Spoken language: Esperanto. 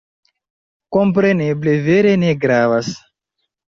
Kompreneble, vere ne gravas.